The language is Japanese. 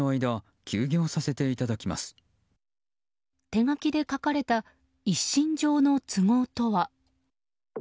手書きで書かれた一身上の都合とは。